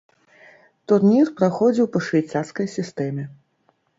Турнір праходзіў па швейцарскай сістэме.